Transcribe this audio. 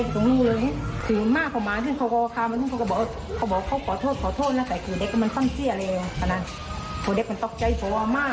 ก็ยิงเข้าห้าเลยเลยแต่มาตรงนี้พี่ยังไม่ได้ได้ข้าว